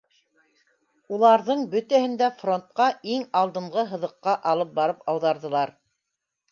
Уларҙың бөтәһен дә фронтҡа — иң алдынғы һыҙыҡҡа алып барып ауҙарҙылар.